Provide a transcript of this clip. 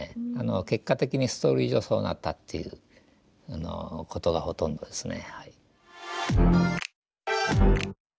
結果的にストーリー上そうなったっていうことがほとんどですね。